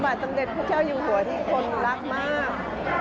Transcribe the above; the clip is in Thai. สมบัติสำเร็จพระเจ้าอยู่หัวที่คนรักมาก